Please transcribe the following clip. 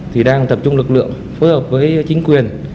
thì đang tập trung lực lượng phối hợp với chính quyền